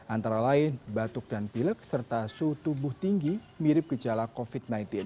antara lain batuk dan pilek serta suhu tubuh tinggi mirip gejala covid sembilan belas